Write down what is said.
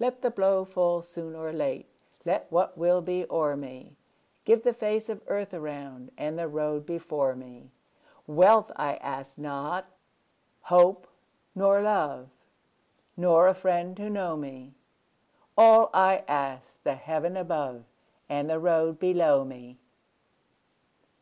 Let the blow fall soon or late, Let what will be o'er me; Give the face of earth around, And the road before me. Wealth I ask not, hope nor love, Nor a friend to know me; All I ask, the heaven above And the road below me.